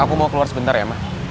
aku mau keluar sebentar ya ma